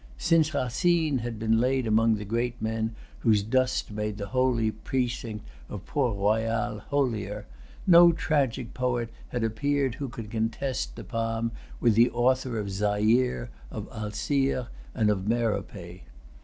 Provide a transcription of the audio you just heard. Since Racine had been laid among the great men whose dust made the holy precinct of Port Royal holier, no tragic poet had appeared who could contest the palm with the author of Zaire, of Alzire, and of Merope.